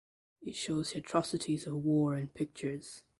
It shows the atrocities of war in pictures.